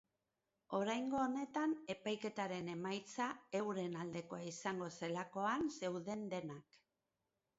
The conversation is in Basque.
Oraingo honetan epaiketaren emaitza euren aldekoa izango zelakoan zeuden denak.